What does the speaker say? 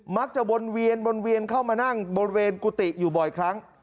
วนเวียนวนเวียนเข้ามานั่งบริเวณกุฏิอยู่บ่อยครั้ง